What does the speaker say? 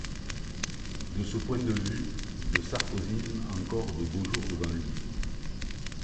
De ce point de vue, le sarkozysme a encore de beaux jours devant lui.